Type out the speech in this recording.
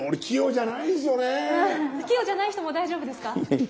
器用じゃない人も大丈夫ですか？